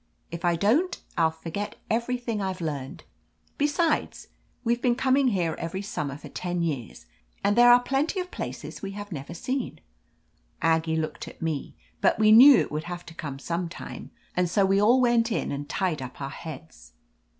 "If I don't I'll forget everything I've learned. Besides, we've been coming here every summer for ten years, and there are plenty of places we have never seen." Aggie looked at me, but we knew it would have to come some time, and so we all went in and tied up our heads.